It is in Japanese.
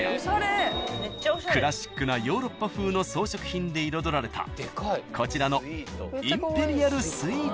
［クラシックなヨーロッパ風の装飾品で彩られたこちらの］